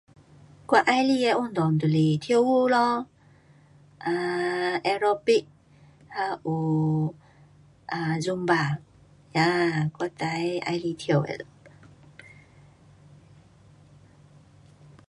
我喜欢的运动就是跳舞咯，啊，aerobic, 还有啊 zumba，哈，我最喜欢跳的。